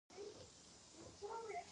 خزانه او باد مهم سمبولونه دي.